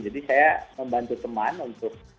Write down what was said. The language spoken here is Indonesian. jadi saya membantu teman untuk